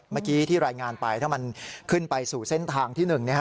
เมื่อกี้ที่รายงานไปถ้ามันขึ้นไปสู่เส้นทางที่๑